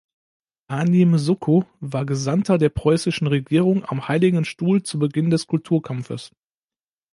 Arnim-Suckow war Gesandter der preußischen Regierung am Heiligen Stuhl zu Beginn des Kulturkampfes.